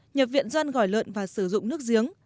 nhập viện do ăn gỏi lợn và sử dụng nước giếng